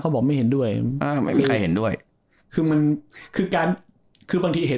บอกไม่เห็นด้วยอ่าไม่มีใครเห็นด้วยคือมันคือการคือบางทีเห็น